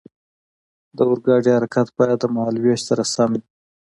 د اورګاډي حرکت باید د مهال ویش سره سم وي.